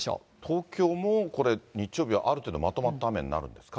東京もこれ、日曜日はある程度まとまった雨になるんですか。